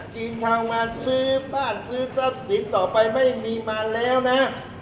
เดินทางมาซื้อบ้านซื้อทรัพย์สินต่อไปไม่มีมาแล้วนะ